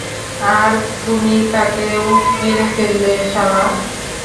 আর তুমি তাকেও মেরে ফেললে, শালা!